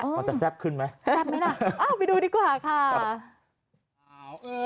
มันจะแซ่บขึ้นไหมแซ่บไหมล่ะไปดูดีกว่าค่ะ